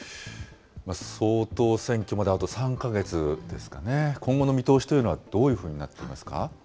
総統選挙まであと３か月ですかね、今後の見通しというのはどういうふうになっていますか。